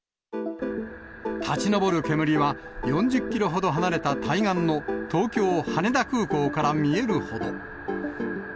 立ち上る煙は４０キロほど離れた対岸の東京羽田空港から見えるほど。